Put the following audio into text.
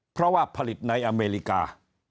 เพราะว่าผลิตในอเมริกา